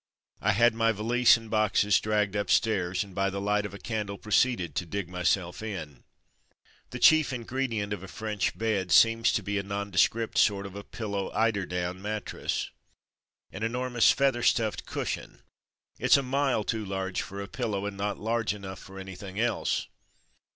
I had my valise and boxes dragged up stairs, and by the light of a candle pro ceeded to ''dig myself in.'' The chief ingredient of a French bed seems A French Bed 105 to be a nondescript sort of a pillow eider down mattress. An enormous feather stufifed cushion — it's a mile too large for a pillow, and not large enough for anything else.